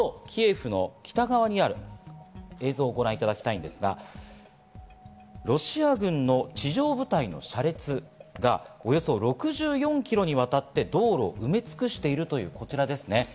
また首都キエフの北側にある映像をご覧いただきたいんですが、ロシア軍の地上部隊の車列がおよそ６４キロにわたって道路を埋め尽くしているというこちらですね。